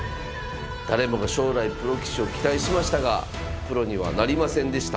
誰もが将来プロ棋士を期待しましたがプロにはなりませんでした。